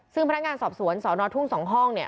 ซึ่งพนักงานสอบสวนสอนอทุ่ง๒ห้องเนี่ย